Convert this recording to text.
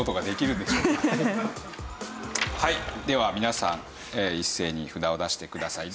はいでは皆さん一斉に札を出してください。